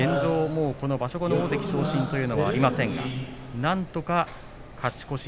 もう、この場所後の大関昇進というのはありませんがなんとか勝ち越し。